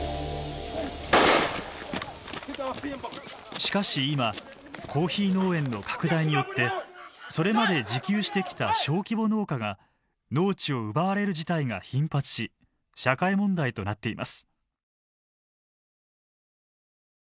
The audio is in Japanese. しかし今コーヒー農園の拡大によってそれまで自給してきた小規模農家が農地を奪われる事態が頻発し社会問題となっています。